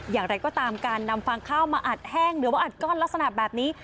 อย่างไรก็ตามการนำฟางข้าวมาอัดแห้งหรือว่าอัดก้อนลักษณะแบบนี้